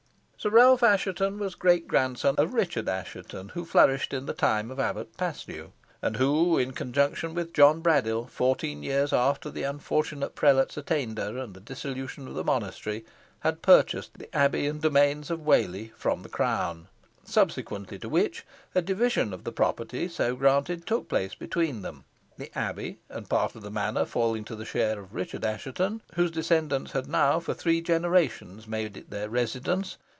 Sir Ralph Assheton was great grandson of Richard Assheton, who flourished in the time of Abbot Paslew, and who, in conjunction with John Braddyll, fourteen years after the unfortunate prelate's attainder and the dissolution of the monastery, had purchased the abbey and domains of Whalley from the Crown, subsequently to which, a division of the property so granted took place between them, the abbey and part of the manor falling to the share of Richard Assheton, whose descendants had now for three generations made it their residence.